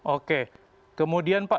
oke kemudian pak